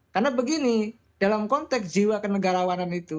karena begini dalam konteks jiwa kenegarawanan itu